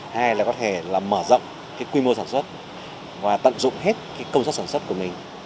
hay là có thể mở rộng quy mô sản xuất và tận dụng hết công suất sản xuất của mình